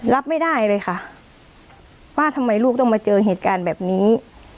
รับไม่ได้เลยค่ะว่าทำไมลูกต้องมาเจอเหตุการณ์แบบนี้